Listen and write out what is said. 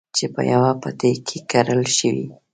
چې په يوه پټي کې کرل شوي.